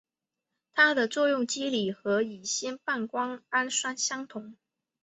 它的作用机理和乙酰半胱氨酸相同。